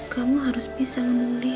kamu harus bisa memulih